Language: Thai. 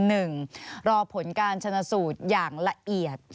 รอผลการชนะสูตรอย่างละเอียด